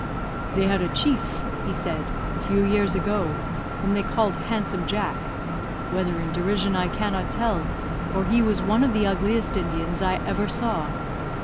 "They had a chief," he said, "a few years ago, whom they called 'Handsome Jack' whether in derision, I cannot tell, for he was one of the ugliest Indians I ever saw.